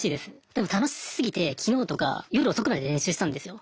でも楽しすぎてきのうとか夜遅くまで練習したんですよ。